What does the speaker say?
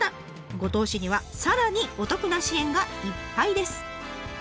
五島市にはさらにお得な支援がいっぱいです。